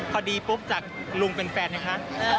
พอดีปุ๊บจากลุงเป็นแฟนไงคะ